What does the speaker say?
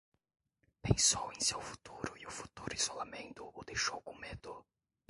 Pensou em seu futuro e o futuro isolamento o deixou com medo.